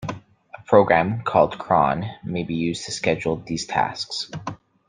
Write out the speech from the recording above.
A program called cron may be used to schedule these tasks.